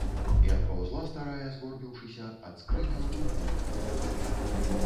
І адпаўзла старая, згорбіўшыся, ад скрыні ў другую палову.